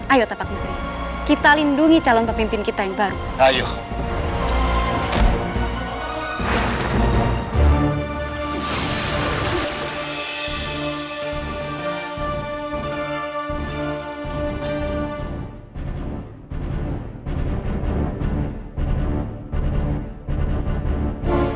ayo tapak musti kita lindungi calon pemimpin kita yang berharga